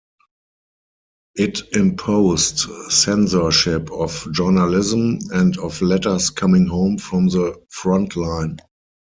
It imposed censorship of journalism and of letters coming home from the front line.